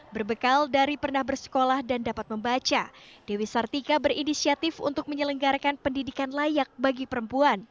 berbekal dari pernah bersekolah dan dapat membaca dewi sartika berinisiatif untuk menyelenggarakan pendidikan layak bagi perempuan